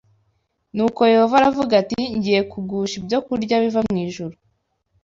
Nuko Yehova aravuga ati ‘ngiye kugusha ibyokurya biva mu ijuru